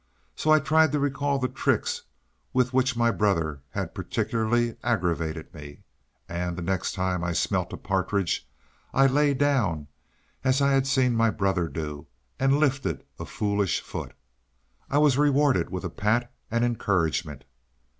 So I tried to recall the tricks with which my brother had particularly aggravated me; and, the next time I smelt a partridge, I lay down, as I had seen my brother do, and lifted a foolish foot. I was rewarded with a pat and encouragement.